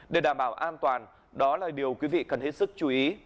để đảm bảo an toàn đó là điều quý vị cần hết sức chú ý